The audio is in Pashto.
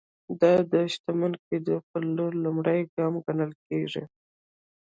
دا د شتمن کېدو پر لور لومړی ګام ګڼل کېږي.